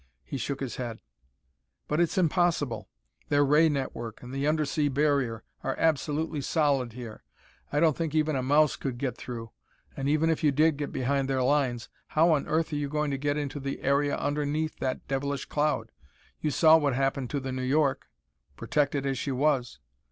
He shook his head. "But it's impossible. Their ray network, and the undersea barrier, are absolutely solid here. I don't think even a mouse could get through. And even if you did get behind their lines, how on earth are you going to get into the area underneath that devilish cloud. You saw what happened to the New York, protected as she was."